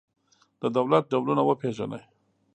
د دولت ډولونه وپېژنئ.